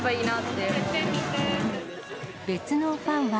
つ別のファンは。